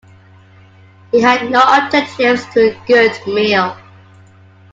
He had no objections to a good meal.